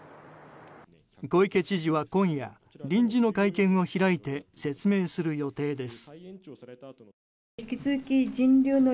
小池知事は今夜臨時の会見を開いて説明する予定です。